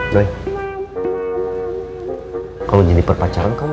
loe kalau jadi perpacaran kamu